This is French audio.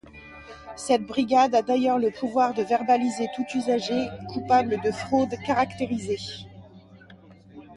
Cette brigade a d'ailleurs le pouvoir de verbaliser tout usager coupable de fraude caractérisée.